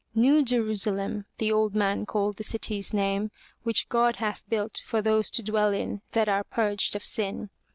New Jerusalem, the old man called the city's name, which God hath built for those to dwell in that are purged of sin.